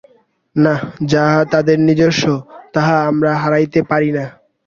না, যাহা আমাদের নিজস্ব, তাহা আমরা হারাইতে পারি না।